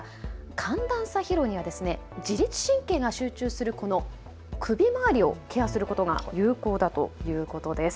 寒暖差疲労には自律神経が集中する首回りをケアすることが有効だということです。